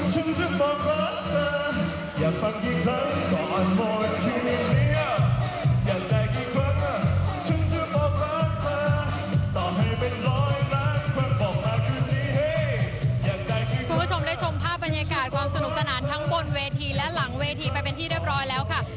คุณผู้ชมได้ชมภาพบรรยากาศความสนุกสนานทั้งบนเวทีและหลังเวทีไปเป็นที่เรียบร้อยแล้วค่ะ